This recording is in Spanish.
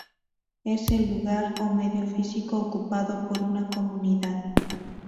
Es el lugar o medio físico ocupado por una comunidad.